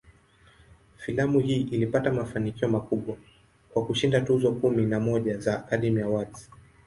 Filamu hii ilipata mafanikio makubwa, kwa kushinda tuzo kumi na moja za "Academy Awards".